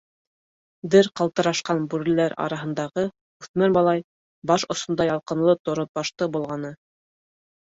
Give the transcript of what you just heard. Дер ҡалтырашҡан бүреләр араһындағы үҫмер малай баш осонда ялҡынлы торонбашты болғаны.